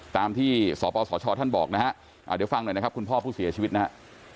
ตามที่สปสชท่านบอกนะฮะเดี๋ยวฟังหน่อยนะครับคุณพ่อผู้เสียชีวิตนะฮะ